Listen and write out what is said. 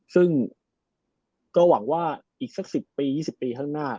ซึ่งก็หวังว่าอีกสัก๑๐ปี๒๐ปีข้างหน้า